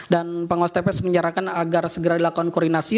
dan penguas tps menyerahkan agar segera dilakukan koordinasi